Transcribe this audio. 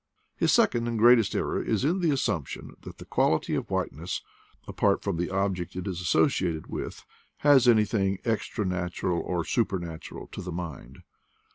His second and greatest error is in the assumption that the quality of whiteness, apart from the object it is associated with, has anything extranatural or supernatural to the mind.